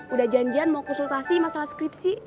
udah janjian mau konsultasi masalah skripsi